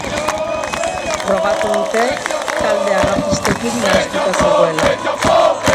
Frogatu dute talde arrazistekin nahastuta zegoela.